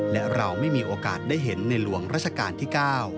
และเราไม่มีโอกาสได้เห็นในหลวงราชการที่๙